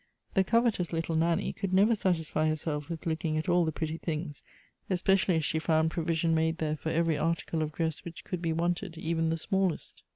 The covetous little Nanny could never satisfy herself with looking .at all the pretty things, espec ially as she found provision made there for every article of dress which could be wanted, even the smallest.